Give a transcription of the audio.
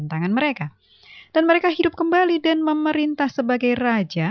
akan hidup di sorga